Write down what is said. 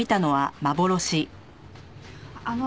あの。